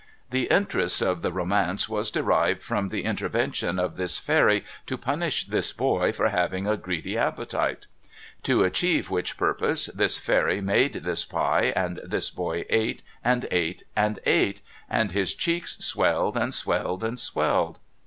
The interest of the romance was derived from the intervention of this fairy to punish this hoy for having a greedy appetite. To achieve which jmrpose, this fairy made this pie, and this boy ate and ate and ate, and his cheeks swelled and swelled and swelled.